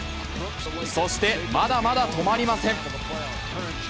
そして、まだまだ止まりません。